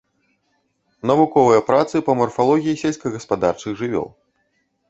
Навуковыя працы па марфалогіі сельскагаспадарчых жывёл.